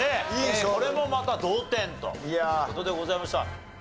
これもまた同点という事でございました。